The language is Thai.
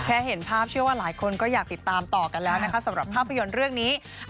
เห็นภาพเชื่อว่าหลายคนก็อยากติดตามต่อกันแล้วนะคะสำหรับภาพยนตร์เรื่องนี้